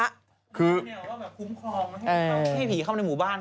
มีแนวว่าคุ้มครองให้ผีเข้าในหมู่บ้าน